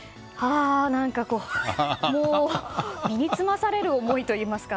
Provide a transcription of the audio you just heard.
何か、もう身につまされる思いといいますか。